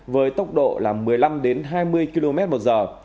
với tốc độ là một mươi năm đến hai mươi km một giờ